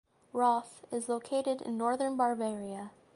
Roth is located in northern Bavaria.